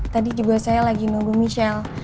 tadi juga saya lagi nunggu michelle